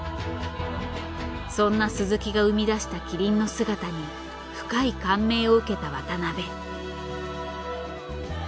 そんな鈴木が生み出した麒麟の姿に深い感銘を受けた渡辺。